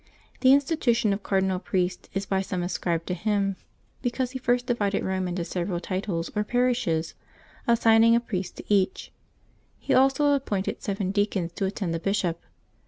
The institution of cardinal priests is by some ascribed to him, because he first divided Eome into several titles or parishes, assigning a priest to each ; he also appointed seven deacons to attend the bishop.